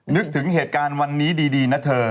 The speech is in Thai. นึกถึงเหตุการณ์วันนี้ดีนะเธอ